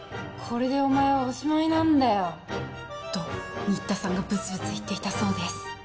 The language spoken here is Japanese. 「これでお前はおしまいなんだよ」と新田さんがブツブツ言っていたそうです